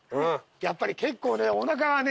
やっぱり結構おなかはね。